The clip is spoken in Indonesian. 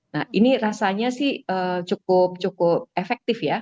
nah ini rasanya sih cukup efektif ya